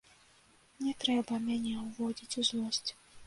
Не трэба мяне ўводзіць у злосць.